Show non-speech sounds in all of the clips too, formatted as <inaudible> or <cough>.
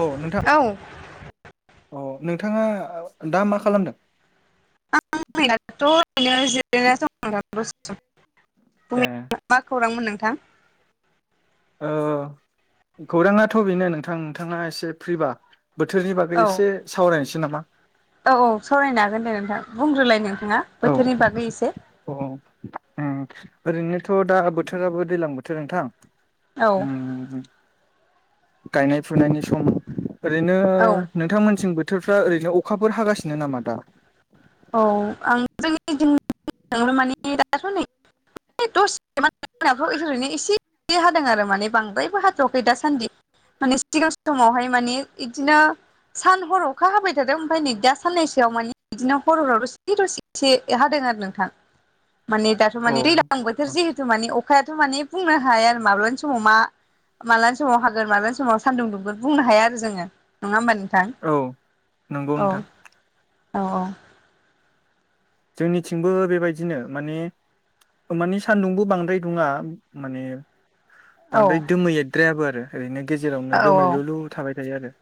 औ नोंथां औ नोंथाङा दा मा खालामदों? <unintelligible> ओरैनो जिरायनानैसो दं ए <unintelligible> मा खौरांमोन नोंथां? ओ खौराङाथ' बेनो नोंथां नोंथाङा एसे फ्रिबा बोथोरनि बागै औ एसे सावरायनोसै नामा? औ औ सावरायनो हागोन दे नोंथां बुंग्रोलाय नोंथाङा बोथोरनि बागै एसे अ ओ ओरैनोथ' दा बोथोराबो दैज्लां बोथोर नोंथां औ उम गायनाय फुनायनि सम ओरैनो औ नोंथांमोनथिं बोथोरफ्रा ओरैनो अखाफोर हागासिनो नामा दा? औ आं जोंनिथिं <unintelligible> मान दाथ' नै दसे माव ओरैनो एसे हादों आरो माने बांद्रायबो हाथ'वाखै दासान्दि। माने सिगां समावहाय माने इदिनो सान हर अखा हाबाय थादों ओमफ्राय नै दा साननैसोआव माने बिदिनो हर हरावथ' दसे से हादों आरो नोंथां माने दाथ' औ माने दैज्लां बोथोर जेहुथु माने अखायाथ' माने बुंनो हाया आरो माब्लानि समाव मा माला समाव हागोन मालानि समाव सानदुं दुंगोन बुंनो हाया आरो जोङो। नङा होमबा नोंथां औ नंगौ औ नोंथां औ औ जोंनिथिंबो बेबायदिनो माने माने सान्दुंबो बांद्राय दुङा माने औ बांद्राय दोमैद्रायाबो आरो ओरैनो गेजेरावनो औ दोमैलुलु थाबाय थायो आरो।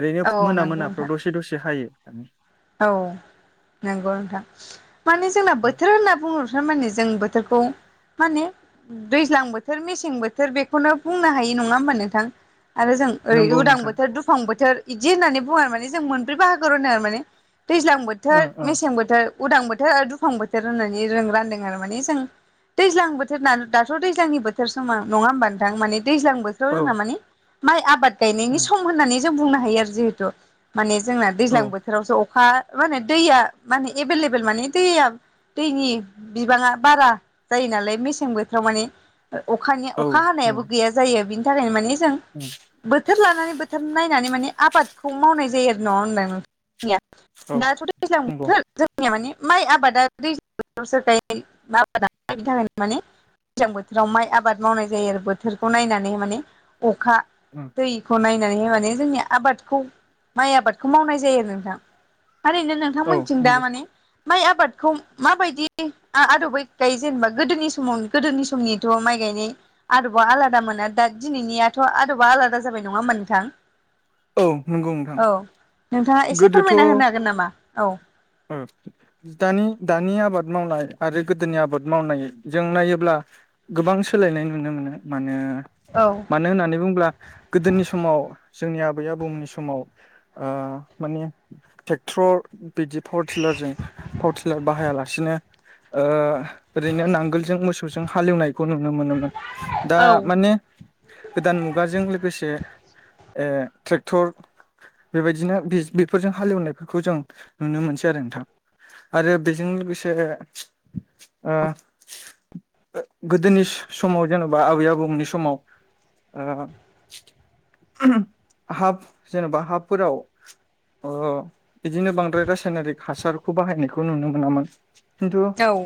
ओरैनो औ मोना नंगौ नोंथां मोनाफ्राव दसे दसे हायो। औ नंगौ नोंथां माने जोंना बोथोर होनना बुङो थारमाने जों बोथोरखौ माने दैज्लां बोथोर मेसें बोथोर बेखौनो बुंनो हायो नङा होमबा नोंथां। आरो जों ओरै नंगौ उदां नोंथां बोथोर दुफां बोथोर इदि होननानै बुङो आरो माने जों मोनब्रै बाहागोआव रानो आरो माने दैज्लां ओ बोथोर मेसें बोथोर उदां बोथोर आरो दुफां बोथोर होननानै जों रानदों आरो माने जों दैज्लां बोथोर न दाथ' दैज्लांनि बोथोर समाव नङा होमबा नोंथां माने दैज्लां बो थोर ओ जोंना माने माइ आबाद गायनायनि सम होननानै जों बुंनो हायो आरो जिहेतु माने जोंना औ दैज्लां बोथोरावसो अखा माने दैया माने एभेलेबेल माने दैया दैनि बिबाङा बारा जायो नालाय मेसें बोथोराव माने अखानि औ अखा उम हानायाबो गैया जायो बिनि थाखायनो मानि जों <unintelligible> बोथोर लानानै बोथोर नायनानै माने आबादखौ मावनाय जायो आरो नङा <unintelligible> औ दाथ' दैज्लां नंगौ बोथोर जोंनिया माने माइ आबादा दैज्लां बोथोरावसो गायो आबादा बिनि थाखायनो माने दैजां बोथोराव माइ आबाद मावनाय जायो आरो बोथोरखौ नायनानै माने अखा ओ दैखौ नायनानै माने जोंनि आबादखौ माइ आबादखौ मावनाय जायो आरो नोंथां। ओरैनो औ नोंथांमोनथिं दा नंगौ माने माइ आबादखौ माबायदि आदबै गायो जेनेबा गोदोनि समाव गोदोनि समनिथ' माइ गायनाय आरोबाव आलादा मोना दा दिनैनियाथ' आरोबा आलादा जाबाय नङा होमबा नोंथां? औ नंगौ नोंथां औ नोंथाङा एसे फोरमायना होनो हागोन नामा? औ उम दानि दानि आबाद मावनाय आरो गोदोनि आबाद मावनाय जों नायोब्ला गोबां सोलायनाय नुनो मोनो मानो औ मानो होननानै बुोब्ला गोदोनि समाव जोंनि आबै आबौमोननि समाव ओ माने ट्रेकथ्रर बिदि फर थिलार जों पावटिलार बाहायालासिनो ओ ओरैनो नांगोलजों मोसौजों हालेवनायखौ नुनो मोनोमोन दा औ माने गोदान मुगाजों लोगोसे ओ ट्रेक्टर बेबायदिनो बे बेफोरजों हालेवनायफोरखौ जों नुनो मोनसै आरो नोंथां आरो बेजों लोगोसे ओ गोदोनि स-समाव जेन'बा आबै आबौमोननि समाव ओ हाफ जेन'बा हाफोराव ओ बिदिनो बां द्राय रासायनारिक हासारखौ बाहायनायखौ नुनो मोनामोन खिन्थु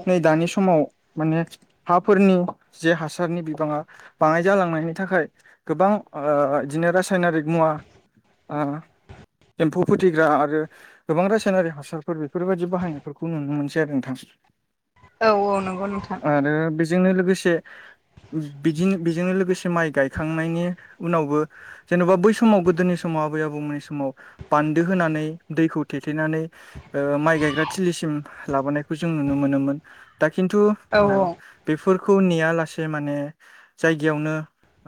नै दानि समाव माने हाफोरनि जे हासारनि बिबाङा बाङाय जालांनायनि थाखाय गोबां ओ इदिनो रासायनारिक मुवा ओ एम्फौ फोथैग्रा आरो गोबां रासायनारि हासारफोर बेफोरबायदि बाहायनायफोरखौ नुनो मोनसै आरो नोंथां। औ औ नंगौ नोंथां आरो बेजोंनो लोगोसे बिदिनो बेजों लोगोसे माइ गायखांनायनि उनावबो जेनेबा बै समाव गोदोनि समाव आबै आबौमोननि समाव बान्दो होनानै दैखौ थेथेनानै ओ माइ गायग्रा थिलिसिम लाबोनायखौ जों नुनो मोनोमोन। दा खिन्थु ओ औ औ बेफोरखौ नेया लासे माने जायगायावनो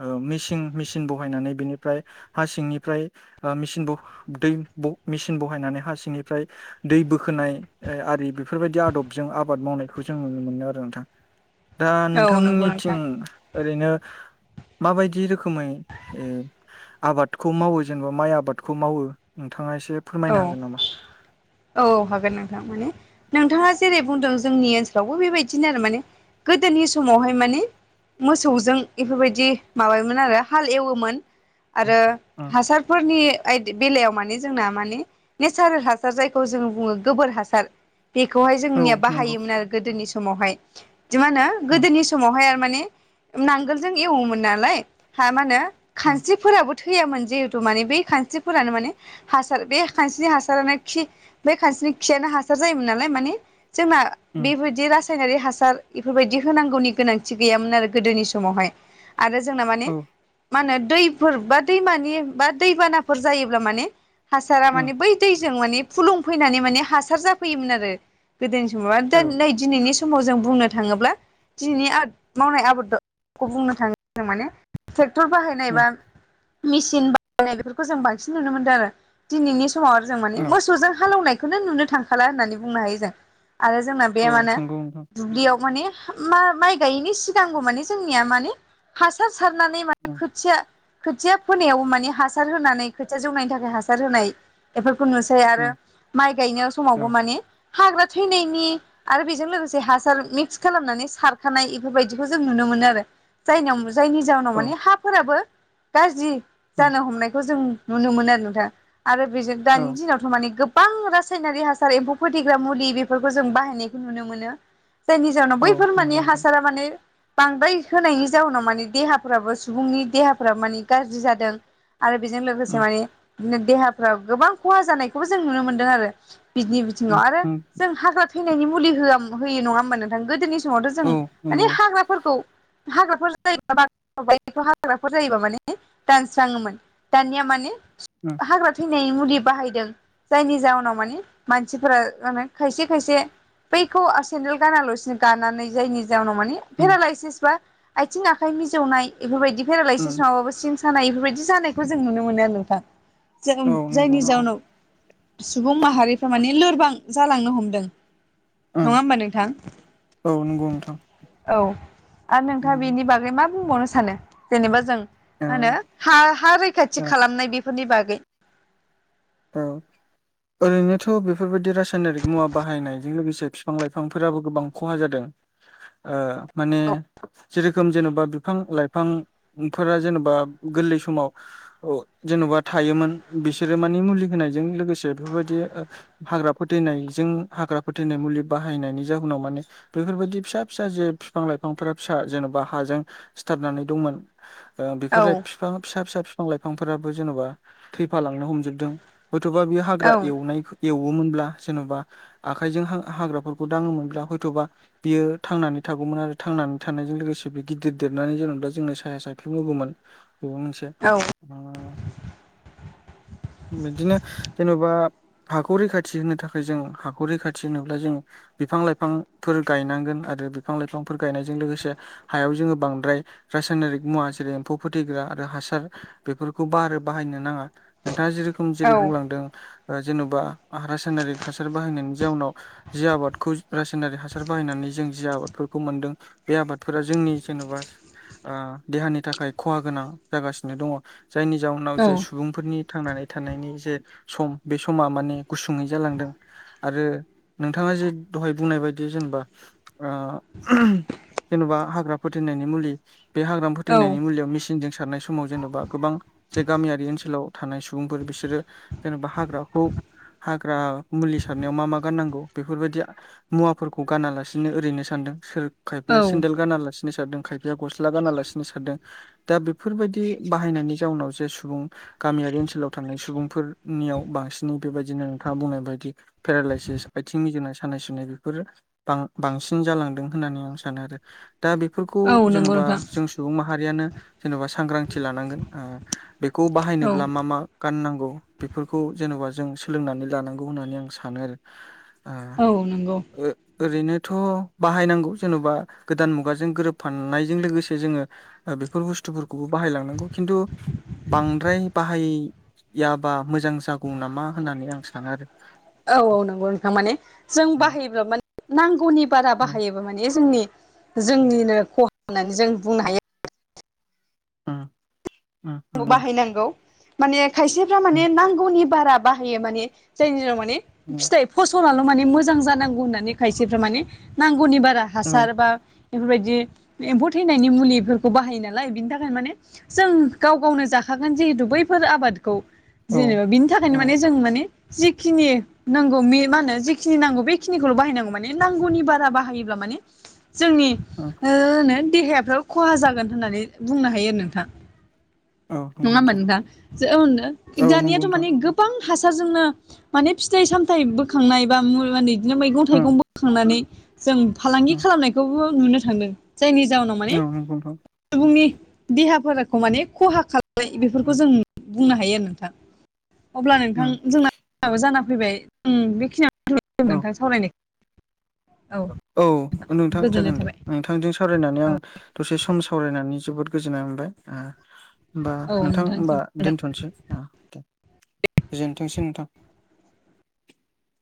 ओ मेसिं मेसिन बहायनानै बिनिफ्राय हा सिंनिफ्राय ओ मेसिन ब दै ब मेसिन बहायनानै हा सिंनिफ्राय दै बोखोनाय ओ आरि बेफोरबायदि आदबजों आबाद मावनायखौ जों नुनो मोनो आरो नोंथां। दा औ नंगौ नोंथांमोननिथिं नोंथां ओरैनो माबायदि रोखोमै ओ आबाद खौ मावो जेनबा माइ आबादखौ मावो नोंथाङा एसे फोरमायनो हागोन नामा? औ औ हागोन नोंथां माने नोंथाङा जेरै बुंदों जोंनि ओनसोलावबो बेबायदिनो आरो माने गोदोनि समावहाय माने मोसौजों एफोरबायदि माबायोमोन आरो हाल एवोमोन। उम आरो उम हासारफोरनि आयद बेलायाव माने जोंना मा ने नेचारेल हार जायखौ जों बुङो गोबोर हासार बेखौहाय औ जोंनिया नंगौ बाहायोमोन आरो गोदोनि समावहायदि दि मा होनो उम गोदोनि समावहाय आरो माने नांगोलजों एवोमोन नालाय हा मा होनो उम खानस्रिफोराबो थैयामोन जिहेथु माने बै खानस्रिफोरानो माने हास सार बे खानस्रिनि हासारानो खि बे खानस्रिनि खियानो हासार जायोमोन नालाय माने जोमा उम बेबायदि रास सायनारि हासार एफोरबायदि होनांगौनि गोनांथि गैयामोन आरो गोदोनि समावहाय। आरो जोंना माने औ मा होनो दैफोर बा दैमानि बा दैबानाफोर जायोब्ला माने हासारा उम औ माने बै दैजों माने फुलुं फैनानै माने हासार जाफैयोमोन आरो। गोदोनि समाव आ दा नै दिनैनि समाव जों बुंनो थाङोब्ला दिनैनि आद मावनाय आबादखौ बुंनो थाङो जों माने ट्रेक्टर बाहायनाय उम औ बा मेसिन बाहायनाय बेफोरखौ जों बांसिन नुनो मोनदों आरो दिनैनि समाव आरो जों माने मोसौजों हालौवनाय बेखौनो नुनो थांखाला होननानै बुंनो हायो जों आरो जोंना औ बे माने दुब्लियाव माने मा माइ गायैनि सिगांगौ माने जोंनिया माने हासार सारनानै माने खोथिया खोथिया फोनायाव माने हासार होनानै खोथिया जौनायनि थाखाय हासार होनाय एफोरखौ नुसै आरो माइ गायनाय समावबो माने हाग्रा थैनायनि आरो बेजों लोगोसे हासार मिक्स खालामनानै सारखानाय बेफोरबायदिखौ जों नुनो मोनो आरो जायनियाव जायनि जाउनाव माने हाफोराबो गाज्रि जानो हमनायखौ जों नुनो मोनो आरो नोंथा आरो बेजों दानि दिनाव माने गोबां रासायनारि हासार एम्फौ फोथैग्रा मुलि बेफोरखौ जों बाहायनायखौ नुनो मोनो। जायनि जाहोनाव बैफोर माने नंगौ नोंथां हासारा माने बांद्राय होनायनि जाउनाव माने देहाफ्राबो सुबुंनि देहाफोरा माने गाज्रि जादों। आरो बेजों लोगोसे उम माने देहाफ्राव गोबां खहा जानायखौबो जों नुनो मोनदों आरो बिदिनि उम औ उम औ नंगौ नोंथां उम बिथिङाव आरो उम जों हाग्रा थैनायनि मुलि हो होयो नङा होमबा नोंथां? गोदोनि समावथ' जों औ माने नंगौ हाग्राफोरखौ हाग्राफोर जायोबा <unintelligible> हाग्राफोर जायोबा माने दानस्राङोमोन। दानिया मानि उम हाग्रा थै मुलि बाहायदों जायनि जाहनाव माने मानसिफोरा खायसे खायसे बैखौ सेन्देल गानाल'सिनो गानानै जायनि जाउनाव माने उम फेरालाइसिस बा आथिं आखाय मिजौनाय एफोर बादि फेरालायसिस उम नंआबाबो सिं सानाय बेफोरबायदि जानायखौ जों नुनो मोनो आरो नोंथां जों औ नंगौ जायनि नोंथां जाउोनाव सुबुं माहारिफ्रा माने लोरबां जालांनो हमदों। नङा उम होमबा नोंथां? औ नंगौ नोंथां औ आरो नोंथाङा उम बेनि बागै मा बुंबावनो सानो? जेनेबा जों मा होनो हा-हा रैखाथि ओ खालामनाय बेफोरनि बागै <inaudible> औ। ओरैनोथ' बेफोरबायदि रासायनारिक मुवा बाहायनायजों लोगोसे फिफां लाइफांफोराबो गोबां खहा जादों। ओ माने जेर रोखोम जेनेबा बिफां लाइफां फोरा जेनेबा गोरलै समाव औ जेन'बा थायोमोन बिसोरो माने मुलि होनायजों लोगोसे बेफोरबायदि हाग्रा फोथैनायजों हाग्रा फोथैनाय मुलि बाहायनायनि जाहोनाव माने बेफोरबायदि फिसा फिसा जे फिफां लाइफांफोरा फिसा जेन'बा हाजों सिथारनानै दंमोन ओ औ बेफोर फिफा फिसा फिसा फिफां लाइफांफोराबो जेन'बा थैफा लांनो हमजोब हयथ'बा बे हाग्रा एवनाय एवोमोनब्ला जेन'बा आखाइजों हाग्राफोरखौ दाङोमोनब्ला हयथ'बा बियो थांनानै थागौमोन आरो थांनानै थानायजों लोगोसे बे गिदिर देरनानै जेनेबा जोंनो साया सायख्लुम होगौमोन। ब मोनसे। औ। <unintelligible> बिदिनो जेन'बा हाखौ रैखाथि होनो थाखाय जों हाखौ रैखाथि होनोब्ला जों बिफां लाइफांफोर गायनांगोन आरो बिफां लाइफांफोर गायनायजों लोगोसे हायाव जोङो बांद्राय रासायनारिक मुवा जेरै एम्फौ फोथैग्रा आरो हासार बेफोरखौ बारो बाहायनो नाङा नोंथाङा जेरोखोम जेरै औ बुंलांदों ओ जेन'बा रासायनारिक हासार बाहायनायनि जाउनाव जि आबादखौ रासायनारि हासार बाहायनानै जों जि आबादफोरखौ मोनदों बे आबादफोरा जोंनि जेन'बा अ देहानि थाखाय खहा गोनां जागासिनो दङ जायनि जााहनाव जे औ सुबुंफोरनि थांनानै थानायनि जे सम बे समा माने गुसुङै जालांदों। आरो नोंथाङा जे दहाय बुंनाय बायदि जेनेबा ओ जेन'बा हाग्रा फोथनायनि मुलि बे हाग्रा फोथैनायनि मुलियाव मेसिनजों सारनाय समाव जेन'बा गोबां जे गामियारि ओनसोलाव थानाय सम सुबुंफोर बिसोरो जेनेबा हाग्राखौ हाग्रा मुलि सारनायाव मा मा गाननांगौ बेफोरबायदि मुवाफोरखौ गानालासिनो ओरैनो सानदों सोर खायफाया औ सेन्देल गाना लासिनो सिनि सारदों खायफाया गस्ला गाना लासिनो सारदों दा बेफोरबायदि बाहायनायनि जाउनाव जे सुबुं गामियारि ओनसोलाव थानाय सुबुंफोरनियाव बांसिनै बेबायदिनो नोंथाङा बुंनाय बायदि। पेरालाायसिस आथिंनि <unintelligible> सानाय सुनाय बेफोर बा-बांसिन जालांदों होननानै आं सानो आरो दा बेफोरखौ औ नंगौ जेन'बा नोंथां जों सुबुं माहारियानो जेन'बा सांग्रांथि लानांगोन ओ बेखौ औ बाहायनोब्ला मा मा गाननांगौ बेफोरखौ जेन'बा जों सोलोंनानै लानांगौ होननानै आं सानो आरो आ औ नंगौ ओ ओरैनोथ' बाहायनांगौ जेन'बा गोदान मुगाजों गोरोबफाननायजों लोगोसे जोङो बेफोर बुस्थुफोरखौबो बाहायलांनांगौ खिन्थु बांद्राय बाहाय याबा मोजां जागौ नामा होननानै आं सानो आरो औ औ नंगौ नोंथां माने जों उम बाहायोब्ला माने नांगौनि बारा उम बाहायो माने जोंनि जोंनिनो खहा होननानै जों बुंनो हायो ओ बाहायनांगौ माने खायसेफोरा उम नांगौनि बारा बाहायो माने जायनि जाव माने उम फिथाइ फसलाल' माने मोजां जानांगौ होननानै खायसेफ्रा माने नांगौनि बारा औ हासार बा बेफोरबायदि एम्फौ थैनायनि मुलिफोरखौ बाहायो नालाय बिनि थाखाय माने जों गाव गावनो जाखागोन जिहेतु बैफोर आबादखौ औ जेनेबा बिनि थाखायनो औ माने जों माने जिखिनि नांगौ मा होनो जेखिनि नांगौ बेखिनिखौल' बाहायनांगौ माने नांगौनि बारा बाहायोब्ला माने जोंनि ओ <unintelligible> देहायफ्राबो खहा जागोन होननानै बुंनो हायो आरो नोंथां औ नंगौ नङा ओमबा नोंथां जनो औ नंगौ दानियाथ' नोंथां माने गोब गोबां हासारजोंनो माने फिथाइ सामथाइ बोखांनाय बा म बिदिनो मैगं उम थाइगं खांनानै जों फालांगि उम खालामनायखौबो नुनो थांदों जायनि जाहोनाव माने औ नंगौ नोंथां सुबुंनि देहाफोरखौ माने खहा खालामनाय बेफोरखौ उम जों बुंनो हायो आरो नोंथां अब्ला नोंथां उम जोंनााबो जाना फैबाय ओम बेखिनियानो औ नोंथां सावरायनायखौ औ नोंथां गोजोननाय जागोन दे थाबाय नोंथां बिथांजों सावरायनानै आं दसे सम सावरायनानै जोबोद गोजोननाय मोनबाय ओ होमबा औ नोंथां नोंथांसिम होनबा दोन्थ'नोसै ओ दे गोजोनथोंसै नोंथां।